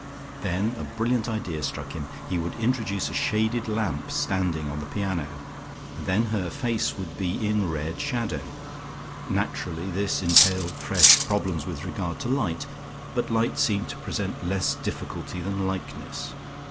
Then a brilliant idea struck him: he would introduce a shaded lamp standing on the piano, and then her face would be in red shadow. Naturally this entailed fresh problems with regard to light, but light seemed to present less difficulty than likeness.